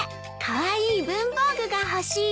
「かわいい文ぼう具がほしい」